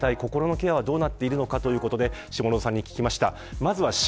そんな中で自衛隊の心のケアはどうなっているのかということで下園さんに聞きました。